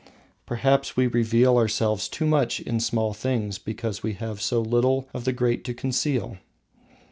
Perhaps we reveal ourselves too much in small things because we have so little of the great to conceal.